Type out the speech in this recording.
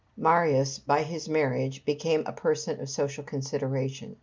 ] Marius by this marriage became a person of social consideration.